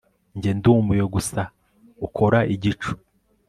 Njye ndumiwe gusa ukora igicu